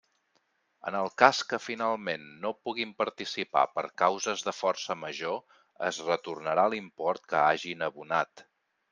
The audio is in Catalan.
En el cas que finalment no puguin participar per causes de força major es retornarà l'import que hagin abonat.